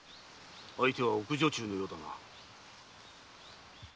相手は奥女中のようだが。